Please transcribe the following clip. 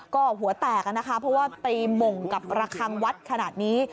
ก็หัวแตกนะคะเพราะว่าตีหม่งกับระคังวัดขนาดนี้